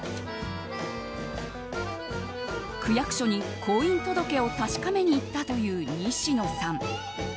区役所に婚姻届を確かめに行ったという西野さん。